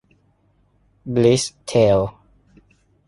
บลิส-เทล